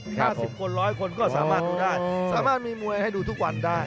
ห้าสิบคนร้อยคนก็สามารถดูได้สามารถมีมวยให้ดูทุกวันได้